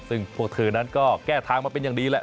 ซึ่งพวกเธอนั้นก็แก้ทางมาเป็นอย่างดีแหละ